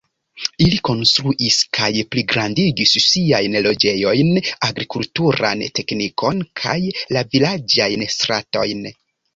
Ili konstruis kaj pligrandigis siajn loĝejojn, agrikulturan teknikon kaj la vilaĝajn stratojn.